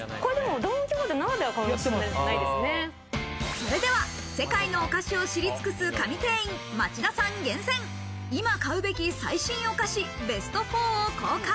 それでは世界のお菓子を知り尽くす神店員・町田さん厳選、今買うべき最新お菓子、ベスト４を公開。